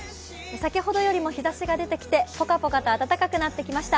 先ほどよりも日ざしが出てきてポカポカと暖かくなってきました。